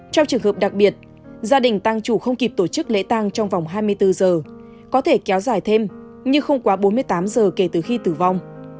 trong trường hợp đặc biệt gia đình tăng chủ không kịp tổ chức lễ tang trong vòng hai mươi bốn giờ có thể kéo dài thêm nhưng không quá bốn mươi tám giờ kể từ khi tử vong